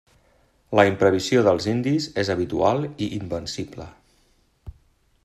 La imprevisió dels indis és habitual i invencible.